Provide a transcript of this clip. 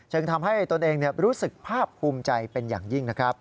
ทำให้ตนเองรู้สึกภาพภูมิใจเป็นอย่างยิ่งนะครับ